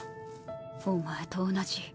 お前と同じ？